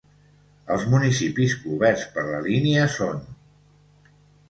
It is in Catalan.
Els municipis coberts per la línia són: